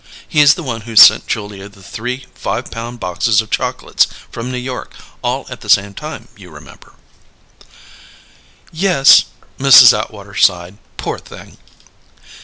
He's the one who sent Julia the three fivepound boxes of chocolates from New York all at the same time, you remember." "Yes," Mrs. Atwater sighed. "Poor thing!"